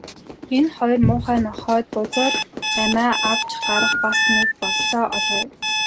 Энэ хоёр муухай нохойд бузар амиа авч гарах бас нэг бололцоо олгоё.